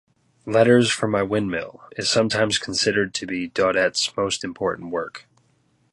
"Letters From My Windmill" is sometimes considered to be Daudet's most important work.